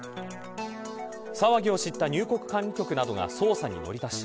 騒ぎを知った入国管理局などが捜査に乗り出し